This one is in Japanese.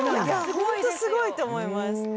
ホントすごいと思います。